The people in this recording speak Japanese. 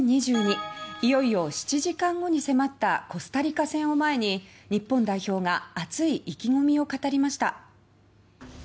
いよいよ７時間後に迫ったコスタリカ戦を前に日本代表が熱い意気込みを語りました。